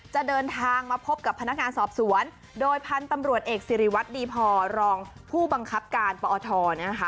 จะเดินทางมาพบกับพนักงานสอบสวนโดยพันธุ์ตำรวจเอกสิริวัตรดีพอรองผู้บังคับการปอทเนี่ยนะคะ